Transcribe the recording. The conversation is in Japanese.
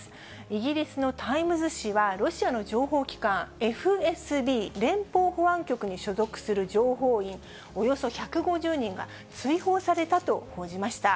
イギリスのタイムズ紙は、ロシアの情報機関、ＦＳＢ・連邦保安局に所属する情報員およそ１５０人が追放されたと報じました。